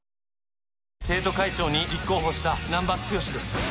生徒会長に立候補した難破剛です。